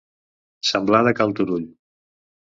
Semblar de cal Turull.